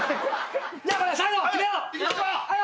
じゃあ最後決めよう。